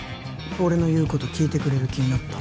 俺の言うこと聞いてくれる気になった？